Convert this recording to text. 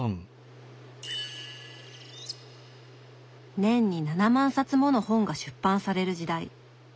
年に７万冊もの本が出版される時代。